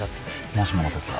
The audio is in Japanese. もしもの時は。